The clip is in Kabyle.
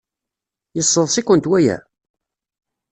Yesseḍs-ikent waya?